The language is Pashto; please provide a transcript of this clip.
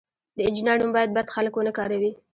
د انجینر نوم باید بد خلک ونه کاروي.